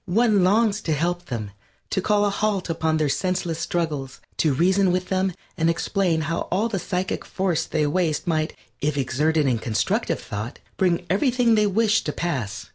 One longs to help them; to call a halt upon their senseless struggles; to reason with them and explain how all the psychic force they waste might, if exerted in constructive thought, bring everything they wish to pass.